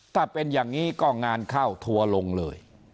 ถ้าเป็นอย่างนี้ก็งานเข้าทัวร์ลงเลย